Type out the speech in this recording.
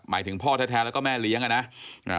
ถึงพ่อแท้แล้วก็แม่เลี้ยงอ่ะนะ